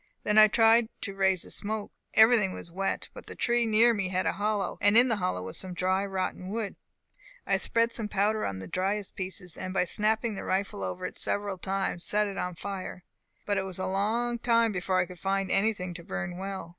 Then I tried to raise a smoke. Everything was wet; but the tree near me had a hollow, and in the hollow was some dry rotten wood. I spread some powder on the driest pieces, and by snapping the rifle over it several times, set it on fire; but it was a long time before I could find anything to burn well.